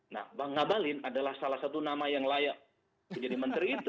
nah bang ngabalin adalah salah satu nama yang layak menjadi menteri itu